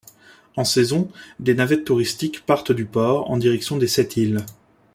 En saison, des navettes touristiques partent du port en direction des Sept-Îles.